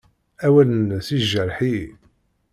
Awal-nnes yejreḥ-iyi.